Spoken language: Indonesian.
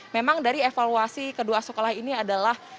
memang dari evaluasi kedua sekolah ini adalah